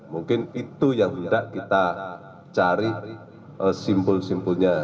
mungkin itu yang tidak kita cari simpul simpulnya